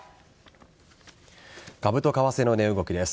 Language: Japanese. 株と為替の値動きです。